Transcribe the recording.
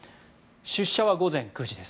出社は午前９時です。